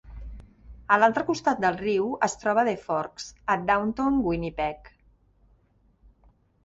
A l'altre costat del riu es troba The Forks, a Downtown Winnipeg.